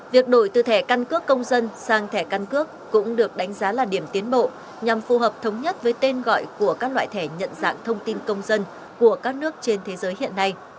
việc đổi từ thẻ căn cước công dân sang thẻ căn cước cũng được đánh giá là điểm tiến bộ nhằm phù hợp thống nhất với tên gọi của các loại thẻ nhận dạng thông tin công dân của các nước trên thế giới hiện nay